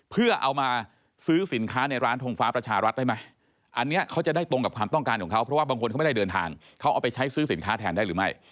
เพื่อเอามาซื้อสินค้าในร้านทงฟ้าประชารัฐได้ไหมอันนี้เขาจะได้ตรงกับความต้องการของเขาเพราะว่าบางคนเขาไม่ได้เดินทางเขาเอาไปใช้ซื้อสินค้าแทนได้หรือไม่